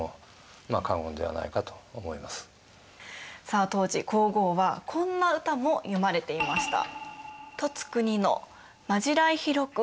さあ当時皇后はこんな歌も詠まれていました。